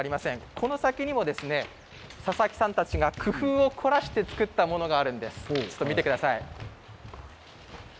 この先にも佐々木さんたちが工夫を凝らして作ったものがあるんです。